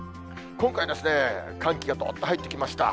今回、寒気がどーんと入ってきました。